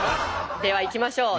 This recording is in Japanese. ではいきましょう。